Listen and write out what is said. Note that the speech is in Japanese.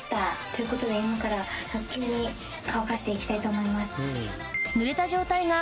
ということで今から早急に乾かしていきたいと思います。